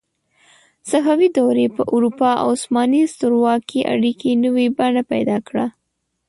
صفوي دورې په اروپا او عثماني سترواکۍ اړیکې نوې بڼه پیدا کړه.